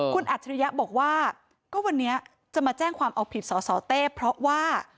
คุณอัจฉริยะบอกว่าก็วันนี้จะมาแจ้งความเอาผิดสสเต้เพราะว่า